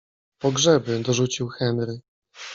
pogrzeby - dorzucił Henry.